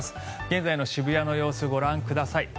現在の渋谷の様子をご覧ください。